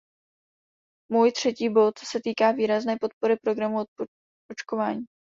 Můj třetí bod se týká výrazné podpory programu očkování.